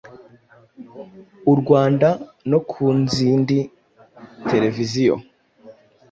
u Rwanda no kunzindi televiziyo.